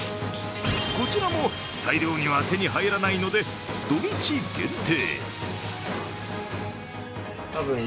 こちらも大量には手に入らないので、土日限定。